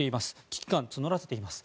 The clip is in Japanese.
危機感を募らせています。